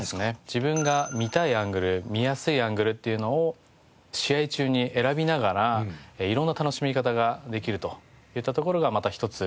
自分が見たいアングル見やすいアングルっていうのを試合中に選びながら色んな楽しみ方ができるといったところがまた１つ